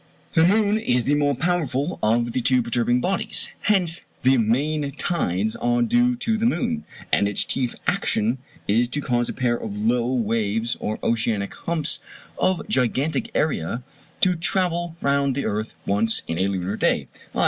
The moon is the more powerful of the two perturbing bodies, hence the main tides are due to the moon; and its chief action is to cause a pair of low waves or oceanic humps, of gigantic area, to travel round the earth once in a lunar day, _i.